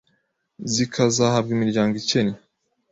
zikazahabwa imiryango ikennye